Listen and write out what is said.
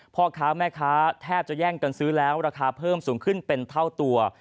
พ่อค้าแม่ค้าแทบจะแย่งกันซื้อแล้วราคาเพิ่มสูงขึ้นเป็นเท่าตัว